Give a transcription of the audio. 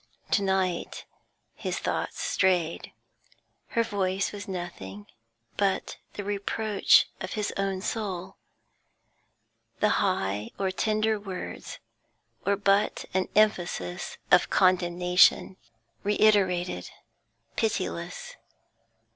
To night his thoughts strayed; her voice was nothing but the reproach of his own soul; the high or tender words were but an emphasis of condemnation, reiterated, pitiless.